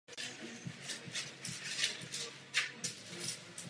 Tento krok zvedl proti němu silný odpor anglikánské společnosti.